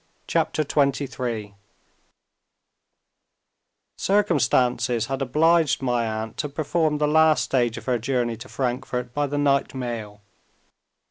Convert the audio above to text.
CHAPTER XXIII Circumstances had obliged my aunt to perform the last stage of her journey to Frankfort by the night mail.